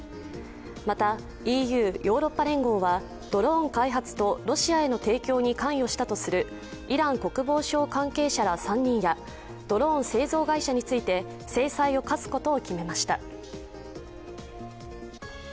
また、ＥＵ＝ヨーロッパ連合はドローン開発とロシアへの提供に関与したとするイラン国防省関係者ら３人やドローン製造会社について制裁を科すことを決めました。